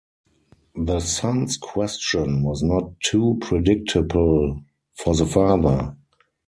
The son’s question was not too predictable for the father.